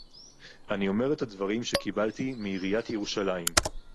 אני אומר את הדברים שקיבלתי מעיריית ירושלים